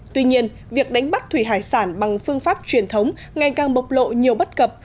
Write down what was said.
tuy nhiên việc đánh bắt thủy hải sản bằng phương pháp truyền thống ngày càng bộc lộ nhiều bất cập